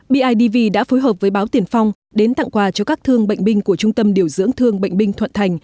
bidv đã phối hợp với báo tiền phong đến tặng quà cho các thương bệnh binh của trung tâm điều dưỡng thương bệnh binh thuận thành